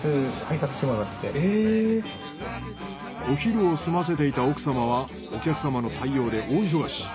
お昼を済ませていた奥様はお客様の対応で大忙し。